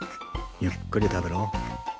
ゆっくり食べろ。